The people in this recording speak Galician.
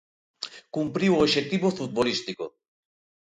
Cumpriu o obxectivo futbolístico.